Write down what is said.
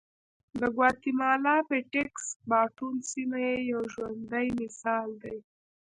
د ګواتیمالا پټېکس باټون سیمه یې یو ژوندی مثال دی